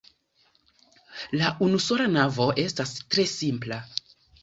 La unusola navo estas tre simpla.